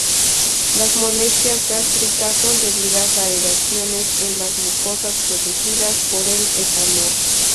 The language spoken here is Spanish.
Las molestias gástricas son debidas a erosiones en las mucosas producidas por el etanol.